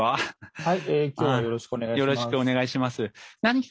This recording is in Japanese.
はい。